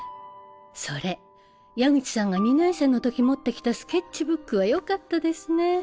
それ矢口さんが２年生のとき持ってきたスケッチブックはよかったですね。